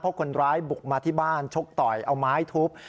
เพราะคนร้ายบุกมาที่บ้านชกต่อยเอาไม้ทุบ